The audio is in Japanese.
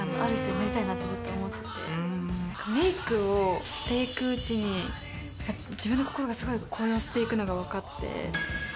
メイクをして行くうちに自分の心がすごい高揚して行くのが分かって。